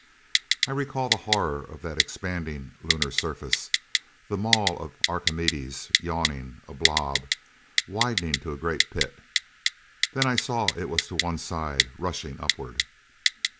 I recall the horror of that expanding Lunar surface. The maw of Archimedes yawning. A blob. Widening to a great pit. Then I saw it was to one side, rushing upward.